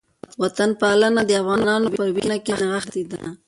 وطنپالنه د افغانانو په وینه کې نغښتې ده